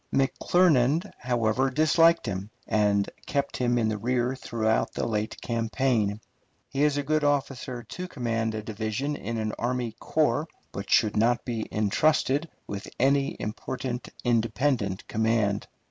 McClernand, however, disliked him, and kept him in the rear throughout the late campaign. He is a good officer to command a division in an army corps, but should not be intrusted with any important independent command.